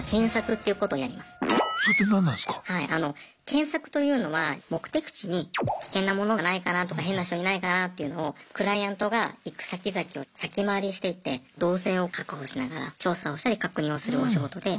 検索というのは目的地に危険な物がないかなとか変な人いないかなっていうのをクライアントが行く先々を先回りしていって動線を確保しながら調査をしたり確認をするお仕事で。